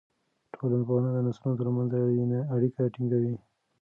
ټولنپوهنه د نسلونو ترمنځ اړیکه ټینګوي.